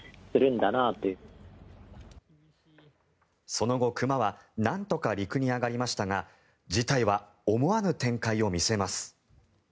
その後、熊はなんとか陸に上がりましたが事態は思わぬ展開を見せます。